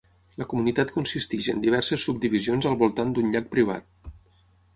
La comunitat consisteix en diverses subdivisions al voltant d'un llac privat.